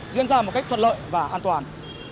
diễn ra một cách thuận lợi và an toàn